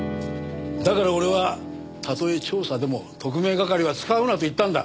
だから俺はたとえ調査でも特命係は使うなと言ったんだ。